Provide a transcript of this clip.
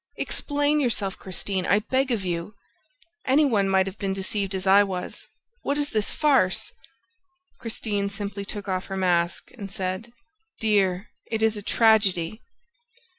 ... Explain yourself, Christine, I beg of you! Any one might have been deceived as I was. What is this farce?" Christine simply took off her mask and said: "Dear, it is a tragedy!"